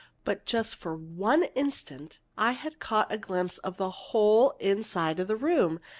But just for one instant I had caught a glimpse of the whole inside of the room!